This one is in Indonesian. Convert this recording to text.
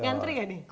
ngantri gak nih